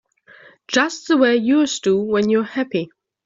Just the way yours do when you're happy.